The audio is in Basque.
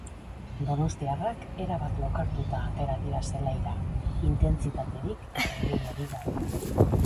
Donostiarrak erabat lokartuta atera dira zelaira, intentsitaterik eta ideiarik gabe.